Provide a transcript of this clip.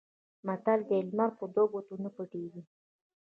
متل دی: لمر په دوو ګوتو نه پټېږي.